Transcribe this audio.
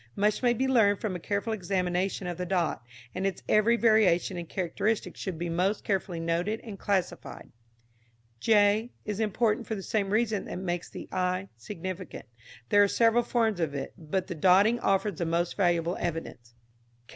Much may be learned from a careful examination of the dot, and its every variation and characteristic should be most carefully noted and classified. j is important for the same reason that makes the i significant. There are several forms of it, but the dotting offers the most valuable evidence.